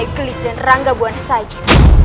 iblis dan rangga buwana saja